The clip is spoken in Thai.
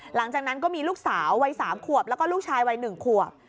หลังจากนั้นก็มีลูกสาววัย๓ขวบแล้วก็ลูกชายวัย๑ขวบ